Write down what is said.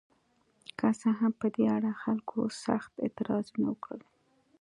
که څه هم په دې اړه خلکو سخت اعتراضونه وکړل.